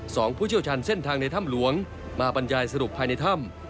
ผู้เชี่ยวชาญเส้นทางในถ้ำหลวงมาบรรยายสรุปภายในถ้ำ